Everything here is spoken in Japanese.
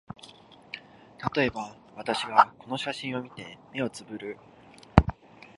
たとえば、私がこの写真を見て、眼をつぶる